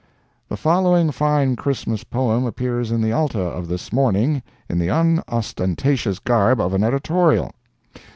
The following fine Christmas poem appears in the Alta of this morning, in the unostentatious garb of an editorial.